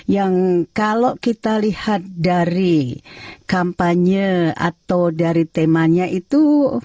yang kalau kita lihat dari kampanye atau dari temanya itu